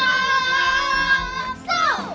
จะเต้นให้สุดแร่ง